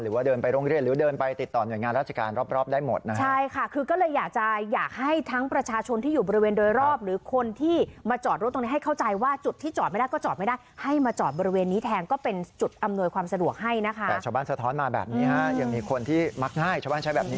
หรือว่าเดินไปโรงเรียนหรือว่าเดินไปติดต่อ